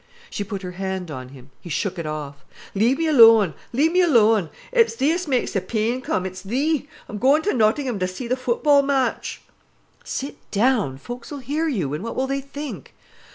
She put her hand on him. He shook it off. "Leave me alone, leave me alone. It's thee as ma'es th' peen come, it's thee. I'm goin' ter Nottingham to see th' football match." "Sit down—folks'll hear you, and what will they think?"